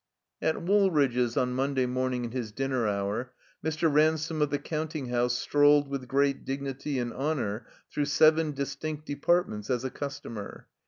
At Woolridge's, on Monday morning in his dinner hotu', Mr. Ransome of the counting house strolled with great dignity and Ij^onor through seven distinct departments as a customer.